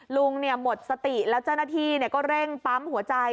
ลุงหมดสติแล้วเจ้าหน้าที่ก็เร่งปั๊มหัวใจ